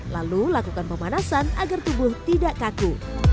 lalu lakukan pemanasan agar tubuh tidak kaku